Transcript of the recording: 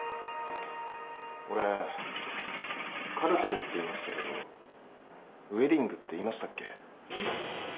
俺カルテルって言いましたけどウエディングって言いましたっけ？